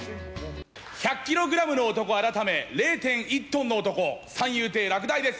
１００キログラムの男改め、０．１トンの男、三遊亭楽大です。